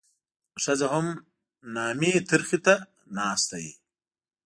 ښځه هم نامي ترخي ته ناسته وي.